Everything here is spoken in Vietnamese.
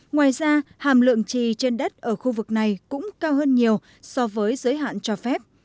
ngoài ra hàm lượng trì trên đất ở khu vực này cũng cao hơn nhiều so với giới hạn cho phép